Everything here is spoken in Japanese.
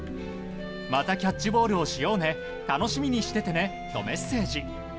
またキャッチボールをしようね楽しみにしててねとメッセージ。